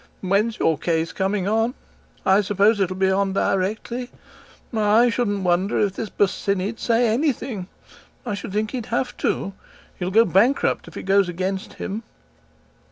"When's your case coming on? I suppose it'll be on directly. I shouldn't wonder if this Bosinney'd say anything; I should think he'd have to. He'll go bankrupt if it goes against him."